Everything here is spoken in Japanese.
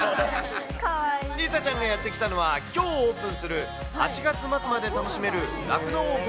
梨紗ちゃんがやって来たのは、きょうオープンする８月末まで楽しめる酪農王国